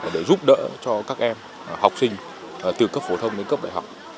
để giúp đỡ cho các em học sinh từ cấp phổ thông đến cấp đại học